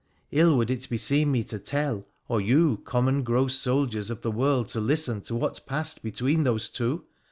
Ill would it beseem me to tell, or you, common, gross soldiers of the world, to listen to what passed between those two.